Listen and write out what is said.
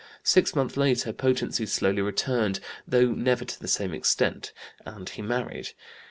Six months later potency slowly returned, though never to the same extent, and he married.